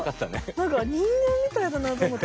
なんか人間みたいだなと思って。